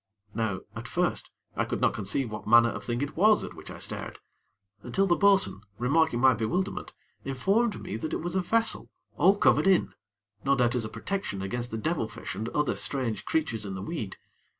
Now, at first, I could not conceive what manner of thing it was at which I stared, until the bo'sun, remarking my bewilderment, informed me that it was a vessel all covered in, no doubt as a protection against the devil fish and other strange creatures in the weed.